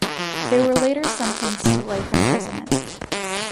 They were later sentenced to life imprisonment.